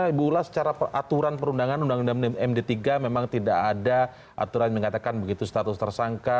ibu ulas secara aturan perundangan undang undang md tiga memang tidak ada aturan yang mengatakan begitu status tersangka